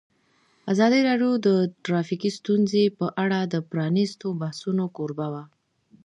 ازادي راډیو د ټرافیکي ستونزې په اړه د پرانیستو بحثونو کوربه وه.